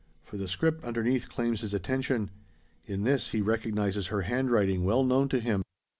For the script underneath claims his attention. In this he recognises her handwriting, well known to him.